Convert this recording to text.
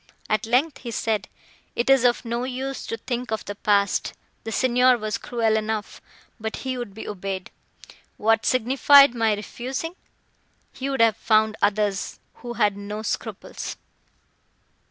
At length he said, "It is of no use to think of the past; the Signor was cruel enough, but he would be obeyed. What signified my refusing? He would have found others, who had no scruples."